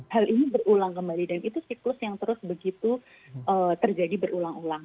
hal ini berulang kembali dan itu siklus yang terus begitu terjadi berulang ulang